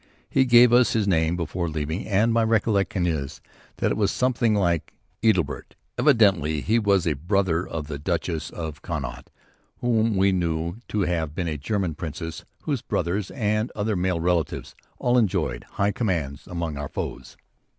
He gave us his name before leaving, and my recollection is that it was something like Eitelbert. Evidently he was a brother of the Duchess of Connaught, whom we knew to have been a German princess whose brothers and other male relatives all enjoyed high commands among our foes.